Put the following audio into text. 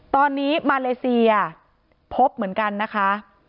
ตอนนี้มาเลเซียพบเหมือนกันนะคะ